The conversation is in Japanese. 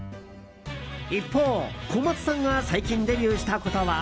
一方、小松さんが最近デビューしたことは。